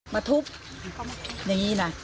มาทุบอย่างนี้นะ